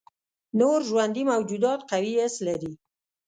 نور ژوندي موجودات قوي حس لري.